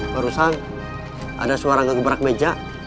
barusan ada suara gegebrak meja